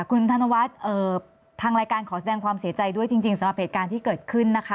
คุณธนวัฒน์ทางรายการขอแสดงความเสียใจด้วยจริงสำหรับเหตุการณ์ที่เกิดขึ้นนะคะ